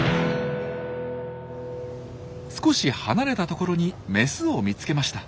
少し離れた所にメスを見つけました。